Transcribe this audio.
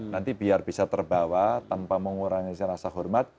nanti biar bisa terbawa tanpa mengurangi rasa hormat